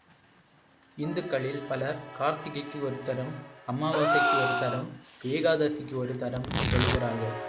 இந்துக்களில் பலர் கார்த்திகைக்கு ஒரு தரம், அமாவாசைக்கு ஒரு தரம், ஏகாதசிக்கு ஒரு தரம் தொழுகிறார்கள்.